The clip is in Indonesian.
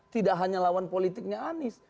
tidak hanya lawan politiknya anies